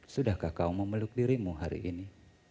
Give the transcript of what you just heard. sudahkah kau memeluk dirimu hari ini